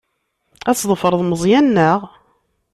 Ad tḍefreḍ Meẓyan, naɣ?